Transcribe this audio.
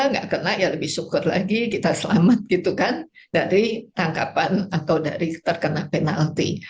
nggak kena ya lebih syukur lagi kita selamat gitu kan dari tangkapan atau dari terkena penalti